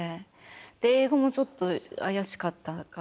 英語もちょっと怪しかったから。